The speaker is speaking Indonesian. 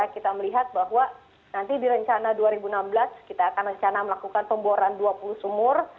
kita melihat bahwa nanti di rencana dua ribu enam belas kita akan rencana melakukan pemboran dua puluh sumur